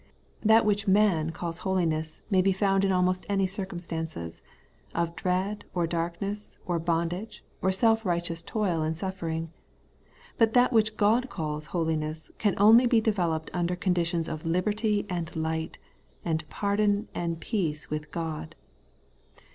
That which man calls holiness may be found in almost any circumstances, — of dread, or darkness, or bondage, or self righteous toil and suffering; but that which God calls holiness can only be developed under conditions of liberty and light, and pardon and peace with God.